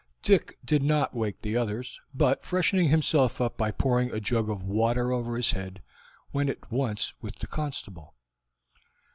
Dick did not wake the others, but freshening himself up by pouring a jug of water over his head, went at once with the constable.